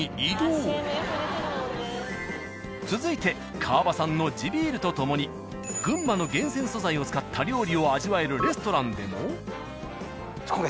続いて川場産の地ビールと共に群馬の厳選素材を使った料理を味わえるレストランでも。